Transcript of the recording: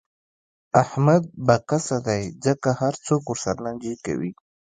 احمد به کسه دی، ځکه هر څوک ورسره لانجې کوي.